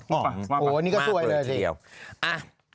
โหนี่ก็สวยเลยสิ